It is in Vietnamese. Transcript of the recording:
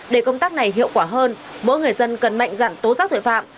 để công tác này hiệu quả hơn mỗi người dân cần mạnh dặn tố giác tội phạm